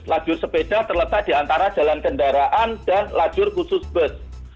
lajur sepeda terletak di antara jalan kendaraan dan lajur khusus bus